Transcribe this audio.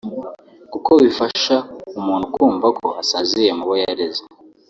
kuko bifasha umuntu kumva ko asaziye mubo yareze